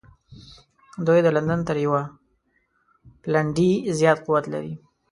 دوی د لندن تر یوه پلنډي زیات قوت لري.